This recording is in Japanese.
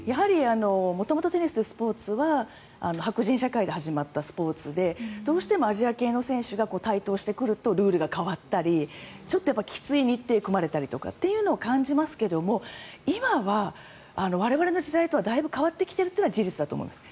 元々テニスというスポーツは白人社会で始まったスポーツでどうしてもアジア系の選手が台頭してくるとルールが変わったりちょっときつい日程を組まれたりというのを感じますけれども今は我々の時代とはだいぶ変わってきているのは事実だと思います。